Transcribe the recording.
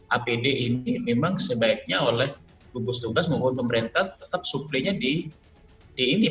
apd ini memang sebaiknya oleh tugas tugas pemerintah tetap suplenya di ini